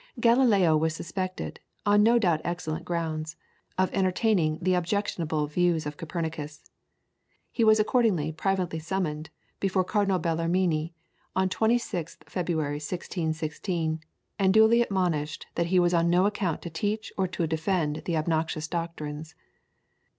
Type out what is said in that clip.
Galileo was suspected, on no doubt excellent grounds, of entertaining the objectionable views of Copernicus. He was accordingly privately summoned before Cardinal Bellarmine on 26th February 1616, and duly admonished that he was on no account to teach or to defend the obnoxious doctrines.